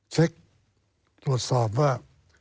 เช็คตรวจสอบว่า